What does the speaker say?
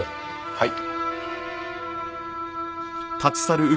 はい。